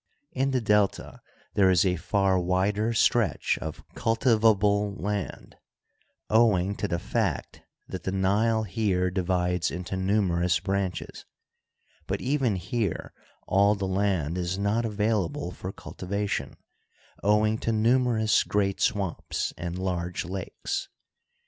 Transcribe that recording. In the Delta there is a far wider stretch of cultivable land, owing to the fact that the Nile here divides into numerous branches ; but even here all the land is not available for cultivation, owing to numerous great swamps and large lakes.